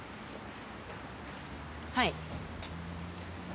はい。